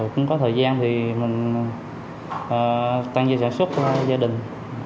cũng có thời gian thì mình tăng gia sản xuất cho gia đình